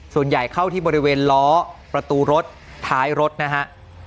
ส่วนใหญ่เข้าที่บริเวณล้อประตูรถท้ายรถนะฮะ